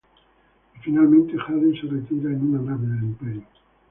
Y finalmente, Jaden se retira en una nave del imperio.